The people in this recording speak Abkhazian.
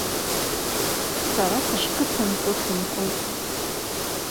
Са сышқыҭантәу сынхоит.